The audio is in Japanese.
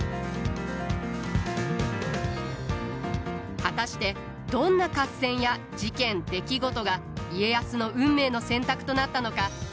果たしてどんな合戦や事件出来事が家康の運命の選択となったのか？